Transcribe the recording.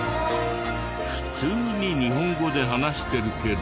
普通に日本語で話してるけど。